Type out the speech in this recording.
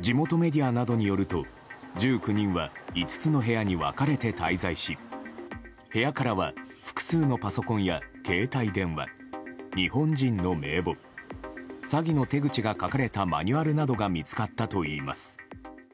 地元メディアなどによると１９人は５つの部屋に分かれて滞在し部屋からは複数のパソコンや携帯電話、日本人の名簿詐欺の手口が書かれたマニュアルなどが見つかったといいます。